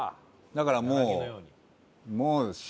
だからもう。